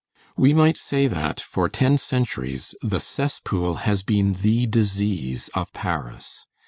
We might say that, for ten centuries, the cesspool has been the disease of Paris.